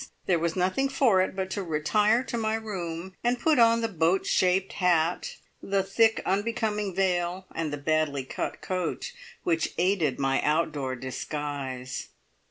There was nothing for it but to retire to my room, and put on the boat shaped hat, the thick, unbecoming veil, and the badly cut coat, which aided my outdoor disguise.